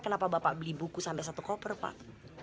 kenapa bapak beli buku sampai satu koper pak